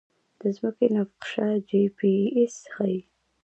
د ځمکې نقشه جی پي اس ښيي